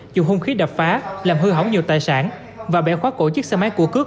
dùng hung khí đập phá làm hư hỏng nhiều tài sản và bẻ khóa cổ chiếc xe máy của cướp